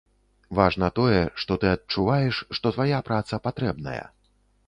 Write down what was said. Важна тое, што ты адчуваеш, што твая праца патрэбная.